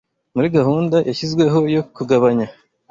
Muri gahunda yashyizweho yo kugabanya